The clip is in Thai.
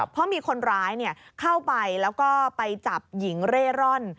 เพราะมีคนร้ายเข้าไปแล้วก็ไปจับหญิงเร่ร่อน